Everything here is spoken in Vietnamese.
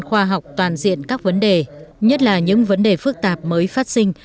khoa học toàn diện các vấn đề nhất là những vấn đề phức tạp mới phát sinh